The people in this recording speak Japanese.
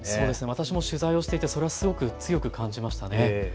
私も取材をしていてそれはすごく感じました。